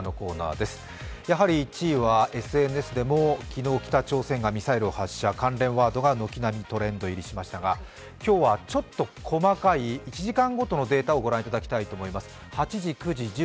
やはり１位はＳＮＳでも、昨日、北朝鮮がミサイルを発射した関連ワードが軒並みトレンド入りしましたが、今日はちょっと細かい１時間ごとのデータをご覧いただきたいと思います。